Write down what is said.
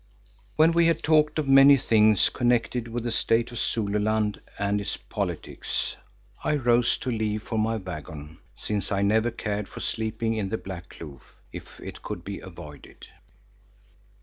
When we had talked of many things connected with the state of Zululand and its politics, I rose to leave for my waggon, since I never cared for sleeping in the Black Kloof if it could be avoided.